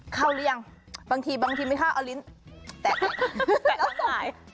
เข้าแล้วหรือยังบางทีไม่ค่าเอาลิ้นแตะแตะแล้วหาย